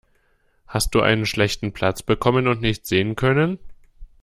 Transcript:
Hast du einen schlechten Platz bekommen und nichts sehen können?